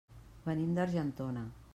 Venim d'Argentona.